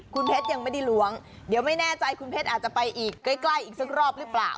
คุณเพชรยังไม่ได้ล้วงเดี๋ยวไม่แน่ใจคุณเพชรอาจจะไปอีกใกล้อีกสักรอบหรือเปล่า